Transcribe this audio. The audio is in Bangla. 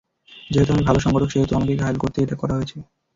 যেহেতু আমি ভালো সংগঠক, সেহেতু আমাকে ঘায়েল করতেই এটা করা হয়েছে।